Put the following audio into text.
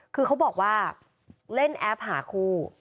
คือเขาบอกว่าเล่นแอปหาคู่